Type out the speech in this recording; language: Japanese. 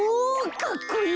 かっこいい！